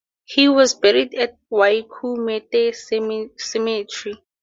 He was buried at Waikumete Cemetery.